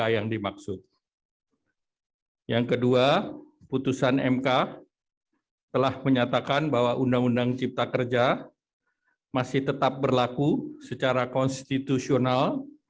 yang kedua putusan mk telah menyatakan bahwa undang undang cipta kerja masih tetap berlaku secara konstitusional